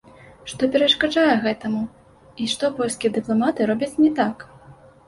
Што перашкаджае гэтаму і што польскія дыпламаты робяць не так?